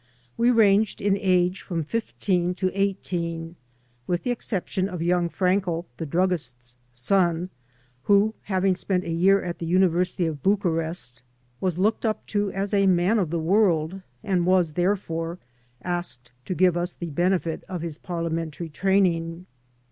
We ranged in age from fifteen to eighteen, with the exception of yoimg Frankel, the druggist's son, who, having spent a year at the university of Bucharest, was looked up to aa a man of the world, and was, therefore, asked to give us the benefit of his parliamentary training.